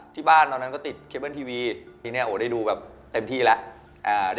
ตอนนั้นก็ติดเคเบิ้ลทีวีทีนี้โอ้โหได้ดูแบบเต็มที่แล้ว